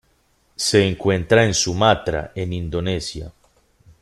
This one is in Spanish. Se encuentra en Sumatra en Indonesia.